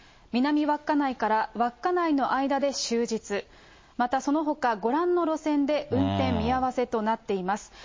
南稚内から稚内の間で、終日、またそのほかご覧の路線で運転見合わせとなっています。